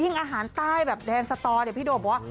ยิ่งอาหารใต้แบบแดงสะตอพี่โดมบอกว่า